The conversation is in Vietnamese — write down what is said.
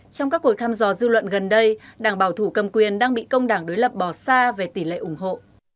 trong các cuộc thăm dò dư luận gần đây đảng bảo thủ cầm quyền đang bị công đảng đối lập bỏ xa về tỷ lệ ủng hộ